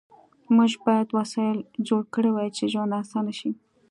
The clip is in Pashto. موږ باید وسایل جوړ کړي وای چې ژوند آسانه شي